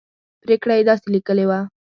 پرېکړه یې داسې لیکلې وه.